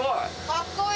はい。